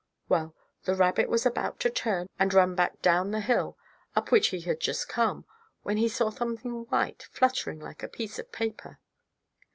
Well, the rabbit was about to turn, and run back down the hill, up which he had just come, when he saw something white fluttering like a piece of paper.